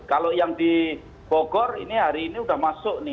kalau yang di bogor ini hari ini sudah masuk nih